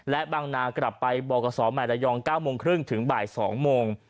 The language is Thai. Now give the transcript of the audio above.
และบางนากลับไปบกษใหม่ระยอง๙โมงครึ่งถึงบ่าย๒โมง